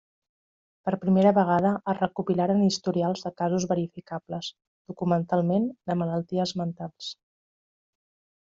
Per primera vegada es recopilaren historials de casos verificables, documentalment, de malalties mentals.